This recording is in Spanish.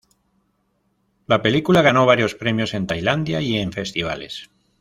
La película ganó varios premios en Tailandia y en festivales.